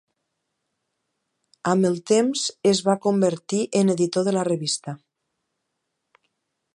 Amb el temps es va convertir en editor de la revista.